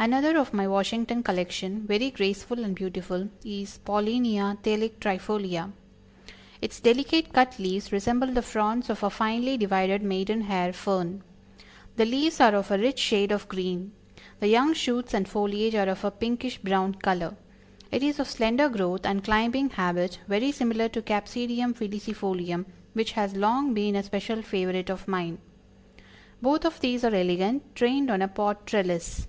Another of my Washington collection, very graceful and beautiful, is Paulinia Thalictrifolia. Its delicate cut leaves resemble the fronds of a finely divided Maiden hair Fern. The leaves are of a rich shade of green. The young shoots and foliage are of a pinkish brown color. It is of slender growth and climbing habit, very similar to Capsidium Filicifolium, which has long been a special favorite of mine. Both of these are elegant, trained on a pot trellis.